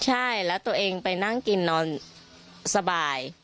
ใช่แล้วตัวเองไปนั่งกินนอนสบาย